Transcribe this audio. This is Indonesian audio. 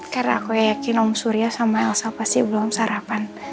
karena aku yakin om surya sama elsa pasti belum sarapan